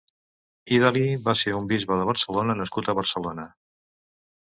Idali va ser un bisbe de Barcelona nascut a Barcelona.